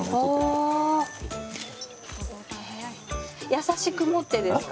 優しく持ってですか？